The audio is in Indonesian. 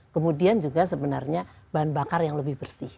kemudian juga sebenarnya bahan bakar yang lebih bersih